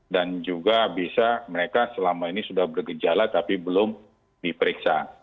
dan juga bisa mereka selama ini sudah bergejala tapi belum diperiksa